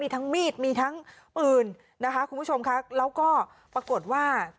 ทั้งมีดมีทั้งปืนนะคะคุณผู้ชมค่ะแล้วก็ปรากฏว่า